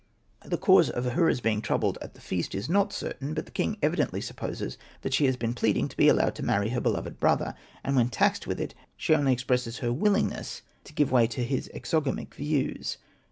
The cause of Ahura's being troubled at the feast is ' not certain, but the king evidently supposes that she has been pleading to be allowed to marry her beloved brother, and when taxed with it she only expresses her willingness to give way to his exogamic views.